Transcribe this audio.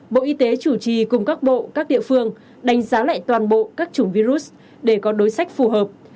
bộ y tế chủ trì cùng các bộ các địa phương đánh giá lại toàn bộ các chủng virus để có đối sách phù hợp